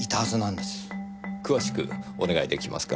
詳しくお願いできますか。